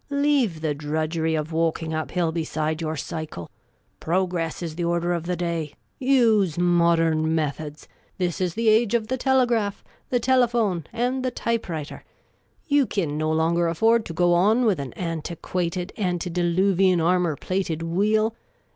Leave the drudgery of walking up hill beside your cycle ! Progress is the order of the day. Use modern methods ! This is the age of the telegraph, the telephone, ajid the typewriter. You kin no longer afford to go on with an antiquated, ante diluvian, armour plated wheel.